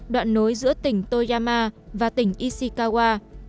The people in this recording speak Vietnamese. đoạn nối giữa tỉnh toyama và tỉnh ishikawa